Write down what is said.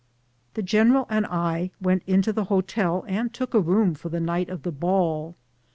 The general and I went into tlie hotel and took a room for the night of the ball.